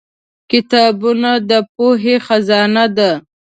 کتابونه د پوهې خزانه ده.